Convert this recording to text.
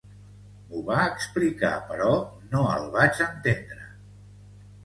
M'ho va explicar, però no el vaig entendre.